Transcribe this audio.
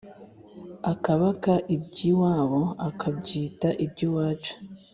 Akabaka iby’iwabo Akabyita iby’iwacu.